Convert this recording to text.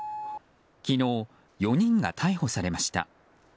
昨日、４人が逮捕されました。